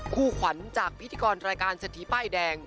คู่ขวัญจากพิธีกรรายการเศรษฐีป้ายแดง